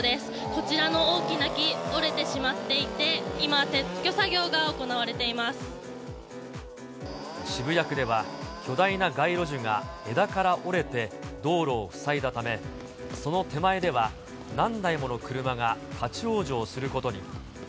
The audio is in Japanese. こちらの大きな木、折れてしまっていて、今、渋谷区では、巨大な街路樹が枝から折れて、道路を塞いだため、その手前では何台もの車が立往生することに。